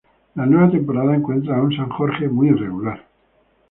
La nueva temporada encuentra a un San Jorge muy irregular.